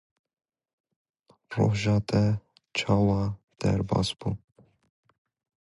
He never received the message.